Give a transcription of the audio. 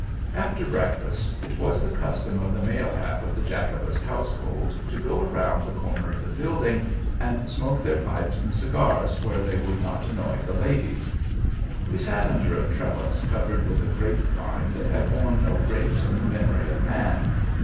After breakfast, it was the custom of the male half of the Jacobus household to go around the corner of the building and smoke their pipes and cigars where they would not annoy the ladies. We sat under a trellis covered with a grapevine that had borne no grapes in the memory of man.